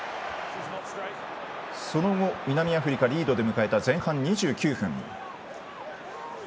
その後、南アフリカリードで迎えた前半２９分。